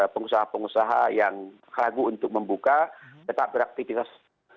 pengusaha pengusaha yang ragu untuk membuka tetap beraktivitas